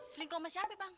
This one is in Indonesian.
selingkuh sama siapa bang